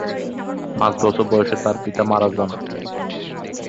পাঁচ বছর বয়সে তার পিতা মারা যান।